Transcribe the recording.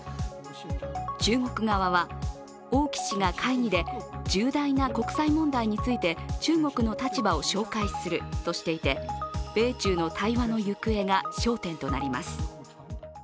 中国側は王毅氏が会議で重大な国際問題について中国の立場を紹介するとしていて、米中の対話の行方が焦点となります。